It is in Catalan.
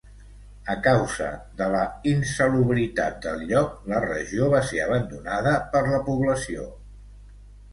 A causa de la insalubritat del lloc, la regió va ser abandonada per la població.